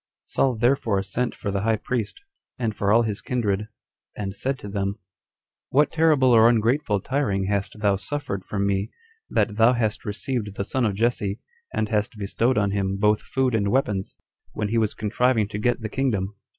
5. Saul therefore sent for the high priest, and for all his kindred; and said to them, "What terrible or ungrateful tiring hast thou suffered from me, that thou hast received the son of Jesse, and hast bestowed on him both food and weapons, when he was contriving to get the kingdom?